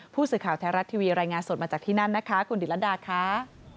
ผู้สื่อข่าวไทยรัฐทีวีรายงานสดมาจากที่นั่นนะคะคุณดิรดาค่ะ